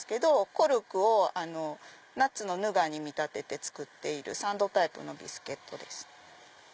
コルクをナッツのヌガーに見立てて作っているサンドタイプのビスケットです。